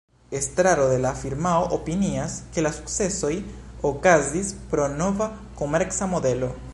Estraro de la firmao opinias, ke la sukcesoj okazis pro nova komerca modelo.